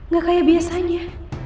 gak kayak biasanya